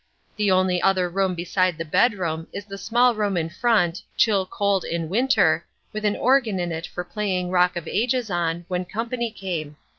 The only other room beside the bedroom is the small room in front, chill cold in winter, with an organ in it for playing "Rock of Ages" on, when company came.